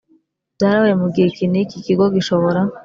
byarabaye mu gihe iki n iki Ikigo gishobora